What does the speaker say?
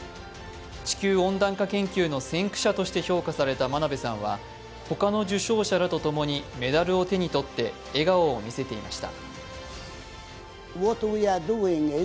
地球温暖化研究の先駆者として評価された真鍋さんは他の受賞者らと共にメダルを手に取って、笑顔を見せていました。